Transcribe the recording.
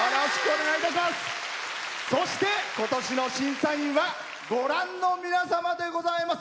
そして、今年の審査員はご覧の皆様でございます。